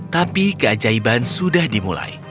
tapi keajaiban sudah dimulai